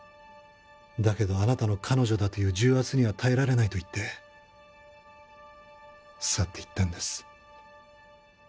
「だけどあなたの彼女だという重圧には耐えられない」と言って去っていったんです。